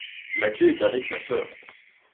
La clé est avec sa sœur.